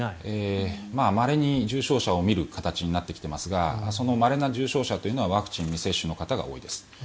まれに重症者を診る形になってきていますがそのまれな重症者というのはワクチン未接種者の方が多いです。